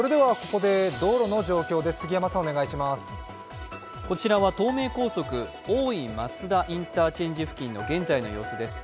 こちらは東名高速・大井松田インターチェンジ付近の現在の様子です。